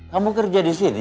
kamu kerja di sini